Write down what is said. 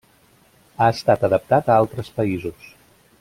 Ha estat adaptat a altres països.